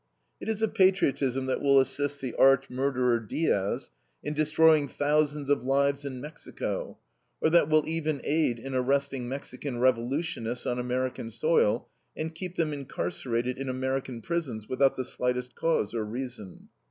It is a patriotism that will assist the arch murderer, Diaz, in destroying thousands of lives in Mexico, or that will even aid in arresting Mexican revolutionists on American soil and keep them incarcerated in American prisons, without the slightest cause or reason.